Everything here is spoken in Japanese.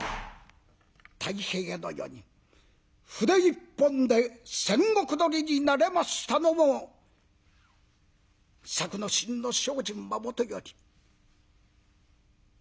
太平の世に筆一本で１，０００石取りになれましたのも作之進の精進はもとより和尚浜川先生